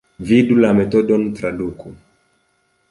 Vidu la metodon traduku.